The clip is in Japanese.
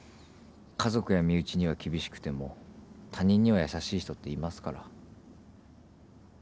家族や身内には厳しくても他人には優しい人っていますから。